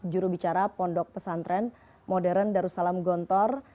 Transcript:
jurubicara pondok pesantren modern darussalam gontor